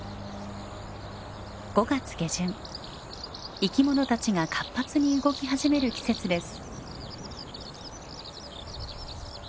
生き物たちが活発に動き始める季節です。